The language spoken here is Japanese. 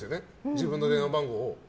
自分の電話番号を。